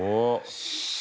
よし。